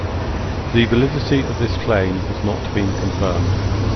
The validity of this claim has not been confirmed.